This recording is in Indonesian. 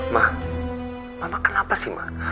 ma mama kenapa sih ma